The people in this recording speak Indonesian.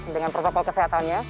dengan protokol kesehatannya